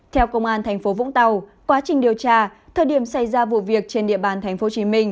theo công an tp vũng tàu quá trình điều tra thời điểm xảy ra vụ việc trên địa bàn tp hcm